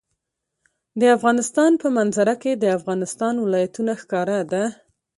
د افغانستان په منظره کې د افغانستان ولايتونه ښکاره ده.